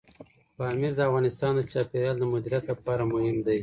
پامیر د افغانستان د چاپیریال د مدیریت لپاره مهم دی.